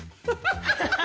ハハハハハ！